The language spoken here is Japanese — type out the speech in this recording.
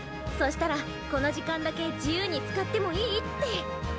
そしたらこの時間だけ自由に使ってもいいって。